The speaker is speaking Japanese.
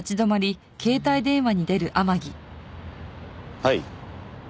はい。